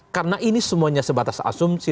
karena ini semuanya sebatas asumsi